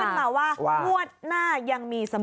แล้วก็ขึ้นมาว่างวดหน้ายังมีเสมอ